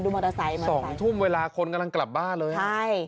มอเตอร์ไซค์มาสองทุ่มเวลาคนกำลังกลับบ้านเลยอ่ะใช่